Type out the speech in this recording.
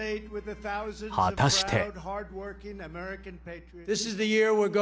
果たして。